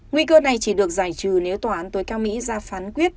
nguy cơ này chỉ được giải trừ nếu tòa án tối cao mỹ ra phán quyết